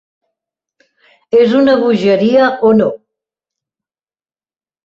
És una bogeria o no?